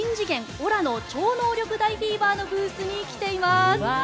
オラの超能力大フィーバーのブースに来ています。